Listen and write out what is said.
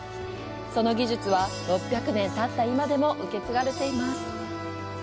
その技術は、６００年たった今でも受け継がれています。